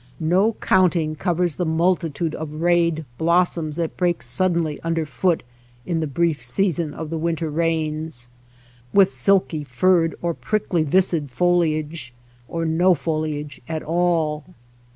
No counting covers the multitude of rayed blossoms that break suddenly underfoot in the brief season of the winter rains, with silky furred or prickly viscid foliage, or no foliage at all.